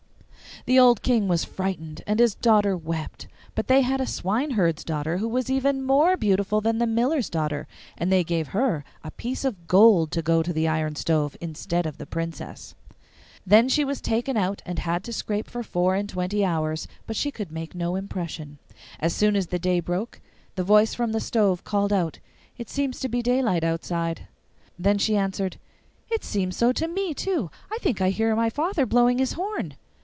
The old King was frightened, and his daughter wept. But they had a swineherd's daughter who was even more beautiful than the miller's daughter, and they gave her a piece of gold to go to the iron stove instead of the Princess. Then she was taken out, and had to scrape for four and twenty hours, but she could make no impression. As soon as the day broke the voice from the stove called out, 'It seems to be daylight outside.' Then she answered, 'It seems so to me too; I think I hear my father blowing his horn.